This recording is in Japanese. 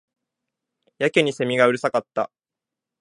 やけに蝉がうるさかった